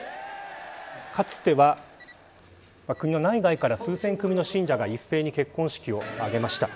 かつては、国の内外から数千組の信者が一斉に結婚式を挙げました。